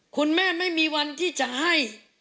คุณแม่ไม่มีวันที่จะให้